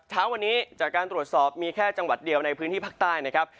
เช้าวันนี้จากการตรวจสอบมีแค่จังหวัดเดียวในพื้นที่ภาคใต้นะครับ